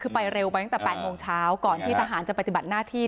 คือไปเร็วไปตั้งแต่๘โมงเช้าก่อนที่ทหารจะปฏิบัติหน้าที่